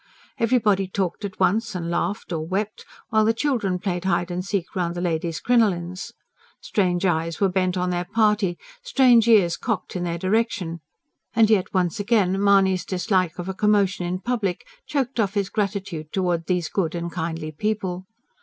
Everybody talked at once and laughed or wept; while the children played hide and seek round the ladies' crinolines. Strange eyes were bent on their party, strange ears cocked in their direction; and yet once again Mahony's dislike to a commotion in public choked off his gratitude towards these good and kindly people.